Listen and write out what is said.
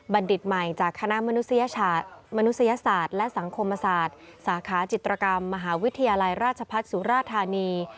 ดิตใหม่จากคณะมนุษยศาสตร์และสังคมศาสตร์สาขาจิตรกรรมมหาวิทยาลัยราชพัฒน์สุราธานี